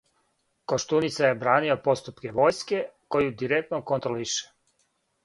Коштуница је бранио поступке војске, коју директно контролише.